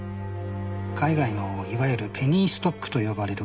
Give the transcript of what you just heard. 海外のいわゆるペニーストックと呼ばれる株。